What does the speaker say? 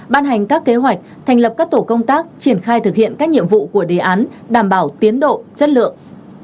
ban hành các kế hoạch thành lập các tổ công tác triển khai thực hiện các nhiệm vụ của đề án đảm bảo tiến độ chất lượng